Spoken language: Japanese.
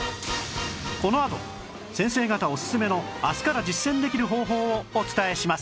このあと先生方おすすめの明日から実践できる方法をお伝えします